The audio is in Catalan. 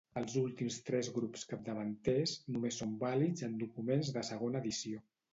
Els últims tres grups capdavanters només són vàlids en documents de segona edició.